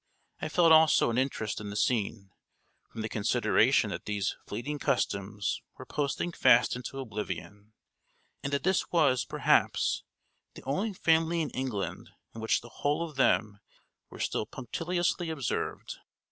I felt also an interest in the scene, from the consideration that these fleeting customs were posting fast into oblivion, and that this was, perhaps, the only family in England in which the whole of them were still punctiliously observed.